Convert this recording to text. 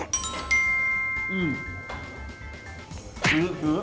ซื้อซื้อ